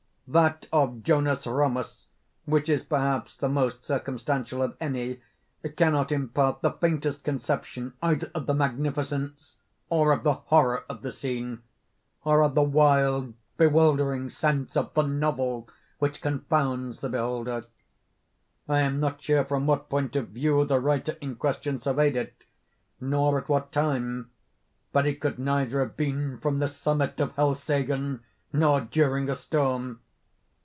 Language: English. That of Jonas Ramus, which is perhaps the most circumstantial of any, cannot impart the faintest conception either of the magnificence, or of the horror of the scene—or of the wild bewildering sense of the novel which confounds the beholder. I am not sure from what point of view the writer in question surveyed it, nor at what time; but it could neither have been from the summit of Helseggen, nor during a storm.